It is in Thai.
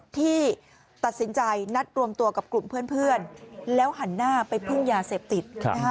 ที่ตัดสินใจนัดรวมตัวกับกลุ่มเพื่อนแล้วหันหน้าไปพึ่งยาเสพติด